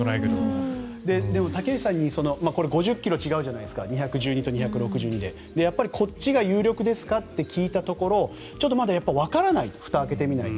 竹内さんにこれは５０ｋｇ違うじゃないですか２１２と２６２でやっぱり、こっちが有力ですか？って聞いたところまだわからないとふたを開けてみないと。